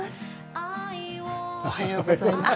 おはようございます。